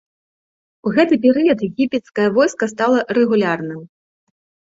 У гэты перыяд егіпецкае войска стала рэгулярным.